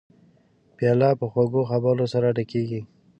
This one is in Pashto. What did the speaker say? پیاله په خوږو خبرو سره ډکېږي.